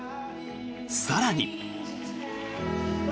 更に。